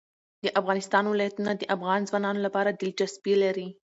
د افغانستان ولايتونه د افغان ځوانانو لپاره دلچسپي لري.